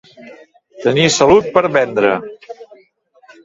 Tenir salut per vendre.